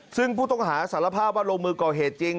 ซึ่งผู้ต้องหาสารภาพว่าลงมือก่อเหตุจริง